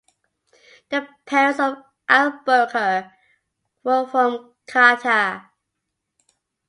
The parents of Al Bakir were from Qatar.